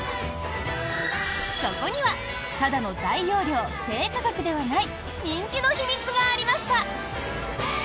そこにはただの大容量、低価格ではない人気の秘密がありました。